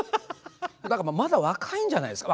だからまだ若いんじゃないですか。